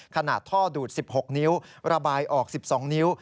ท่อดูด๑๖นิ้วระบายออก๑๒นิ้ว